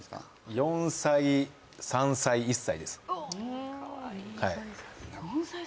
４歳、３歳、１歳です。